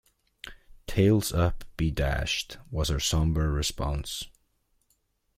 "Tails up be dashed," was her sombre response.